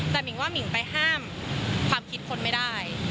แต่หมิ่งว่ามิ่งไปห้ามความคิดคนไม่ได้